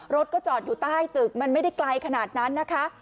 รถก็จอดอยู่ใต้ตึกมันไม่ได้ไกลขนาดนั้นนะคะ